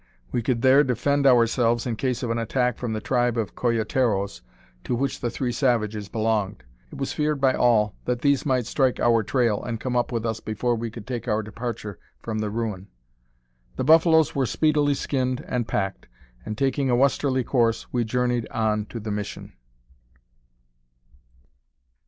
We could there defend ourselves in case of an attack from the tribe of Coyoteros, to which the three savages belonged. It was feared by all that these might strike our trail, and come up with us before we could take our departure from the ruin. The buffaloes were speedily skinned and packed, and taking a westerly course, we journeyed on to the mission.